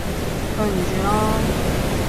對唔住囉